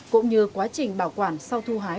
cũng như quá trình bảo quản sau thu hái